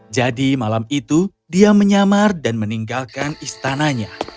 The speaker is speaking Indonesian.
jadi malam itu dia menyamar dan meninggalkan istananya